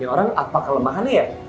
orang apa kelemahannya ya